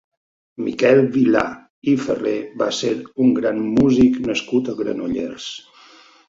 Miquel Vilà i Ferrer va ser un músic nascut a Granollers.